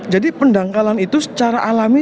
jadi pendangkalan itu secara alami